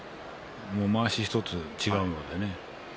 まわし１つ違うのでね。